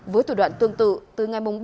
với thủ đoạn tương tự từ ngày ba